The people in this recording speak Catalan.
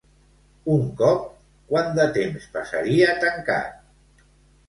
Un cop, quant de temps passaria tancat?